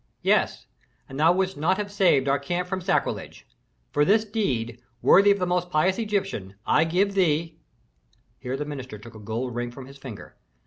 "Yes, and thou wouldst not have saved our camp from sacrilege. For this deed, worthy of the most pious Egyptian, I give thee " Here the minister took a gold ring from his finger.